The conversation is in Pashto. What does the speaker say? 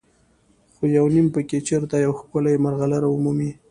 خو یو نیم پکې چېرته یوه ښکلې مرغلره ومومي.